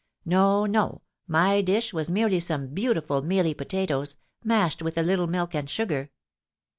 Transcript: No, no, my dish was merely some beautiful mealy potatoes, mashed with a little milk and sugar.